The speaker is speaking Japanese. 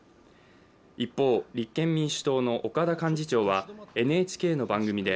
一方、立憲民主党の岡田幹事長はＮＨＫの番組で